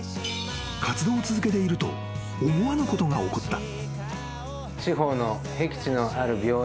［活動を続けていると思わぬことが起こった］